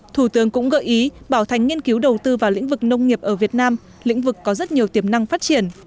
thủ tướng cũng gợi ý bảo thành nghiên cứu đầu tư vào lĩnh vực nông nghiệp ở việt nam lĩnh vực có rất nhiều tiềm năng phát triển